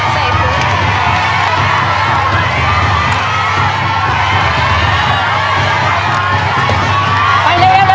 สวัสดีครับสวัสดีครับ